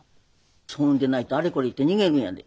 そんでないとあれこれ言って逃げるんやで。